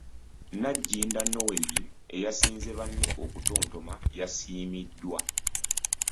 Nagginda Noeline eyasinze banne okutontoma yasiimiddwa.